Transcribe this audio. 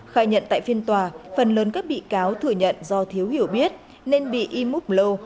khai nhận tại phiên tòa phần lớn các bị cáo thừa nhận do thiếu hiểu biết nên bị im úp lâu